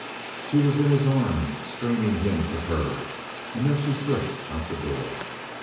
She was in his arms, straining him to her; and then she slipped out the door.